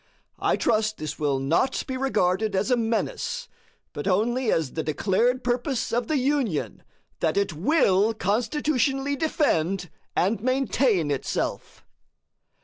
I trust this will not be regarded as a menace, but only as the declared purpose of the Union that it WILL Constitutionally defend and maintain itself.